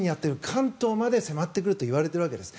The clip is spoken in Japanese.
関東まで迫ってくると言われているわけです。